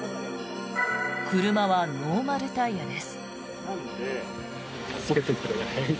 車はノーマルタイヤです。